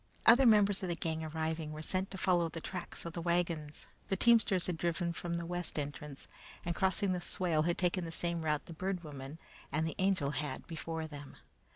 Other members of the gang arriving, were sent to follow the tracks of the wagons. The teamsters had driven from the west entrance, and crossing the swale, had taken the same route the Bird Woman and the Angel had before them.